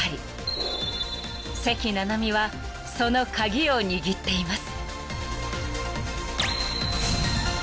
［関菜々巳はその鍵を握っています］